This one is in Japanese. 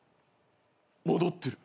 戻ってる。